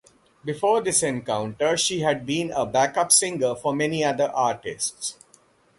Before this encounter, she had been a backup singer for many other artists.